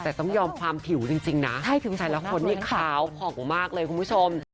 แต่ต้องยอมความผิวจริงนะผิวแต่ละคนที่ขาวผ่องมากเลยคุณผู้ชม